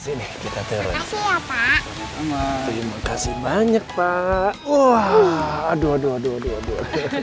sini kita terus ya pak terima kasih banyak pak wah aduh aduh aduh aduh aduh